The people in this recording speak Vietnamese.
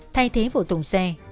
thay thế vụ tùng xe